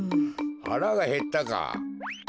はらがへったか。